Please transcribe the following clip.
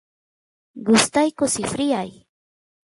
gustayku sifryay